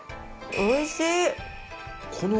おいしい！